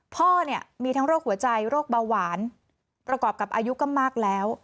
พ่อเนี่ยมีทั้งโรคหัวใจโรคเบาหวานประกอบกับอายุก็มากแล้ว